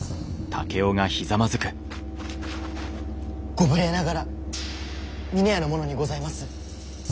ご無礼ながら峰屋の者にございます。